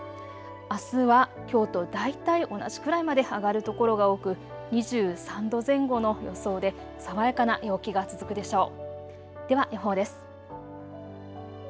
あすはきょうと大体同じくらいまで上がる所が多く２３度前後の予想で爽やかな陽気が続くでしょう。